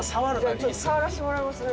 ちょっと触らせてもらいますね。